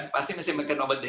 pasti mesti makan obat diary